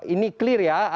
ini clear ya